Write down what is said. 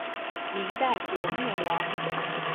明代国灭亡。